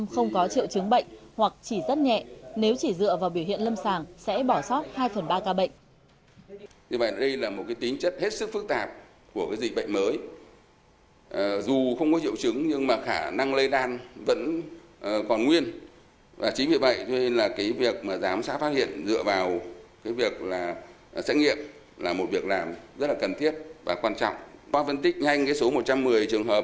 sáu mươi tám không có triệu chứng bệnh hoặc chỉ rất nhẹ nếu chỉ dựa vào biểu hiện lâm sàng sẽ bỏ sót hai phần ba ca bệnh